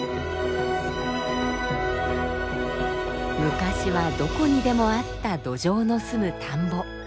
昔はどこにでもあったドジョウのすむ田んぼ。